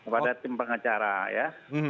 pada tim pengacara ya